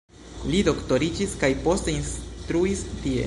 Li doktoriĝis kaj poste instruis tie.